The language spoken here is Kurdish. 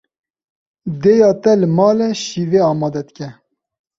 Dêya te li mal e şîvê amade dike.